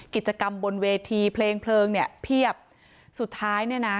กิจกรรมบนเวทีเพลงเพลิงเนี่ยเพียบสุดท้ายเนี่ยนะ